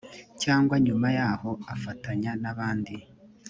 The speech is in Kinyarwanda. cyangwa nyuma yaho afatanya n abandi